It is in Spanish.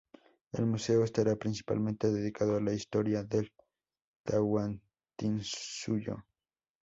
El museo estará principalmente dedicado a la historia del Tahuantinsuyo.